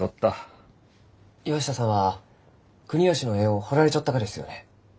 岩下さんは国芳の絵を彫られちょったがですよね？